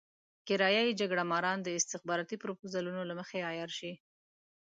کرايه يي جګړه ماران د استخباراتي پروپوزلونو له مخې عيار شي.